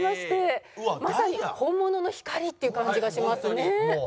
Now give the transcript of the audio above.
まさに本物の光っていう感じがしますね。